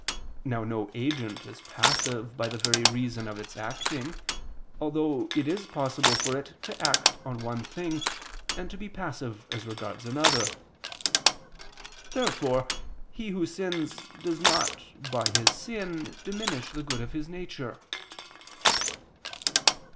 Now no agent is passive by the very reason of its acting, although it is possible for it to act on one thing, and to be passive as regards another. Therefore he who sins, does not, by his sin, diminish the good of his nature.